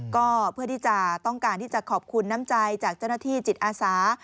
ก็เพื่อที่จะต้องการที่จะขอบคุณน้ำใจจากเจ้าหน้าที่จิตอาสา